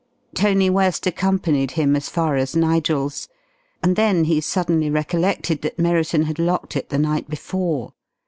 Tony West accompanied him as far as Nigel's, and then he suddenly recollected that Merriton had locked it the night before.